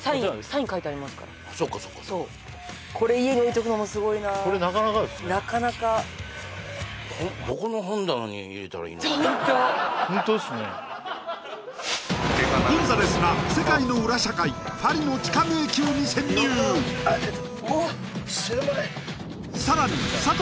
サイン書いてありますからそっかそっかこれ家に置いとくのもすごいなこれなかなかですねなかなかホントホントですねゴンザレスが世界の裏社会さらに佐藤